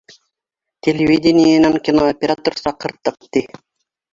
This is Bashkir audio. Телевидениенан кинооператор саҡырттыҡ, ти